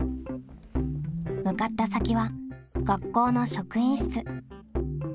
向かった先は学校の職員室。